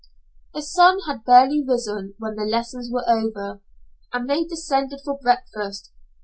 The sun had barely risen when the lesson was over, and they descended for breakfast.